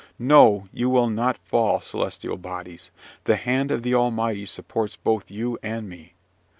No, you will not fall, celestial bodies: the hand of the Almighty supports both you and me!